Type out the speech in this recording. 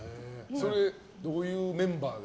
それ、どういうメンバーで？